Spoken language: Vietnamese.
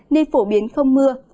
nên phổ biến không mưa